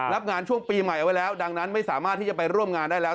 รับงานช่วงปีใหม่เอาไว้แล้วดังนั้นไม่สามารถที่จะไปร่วมงานได้แล้ว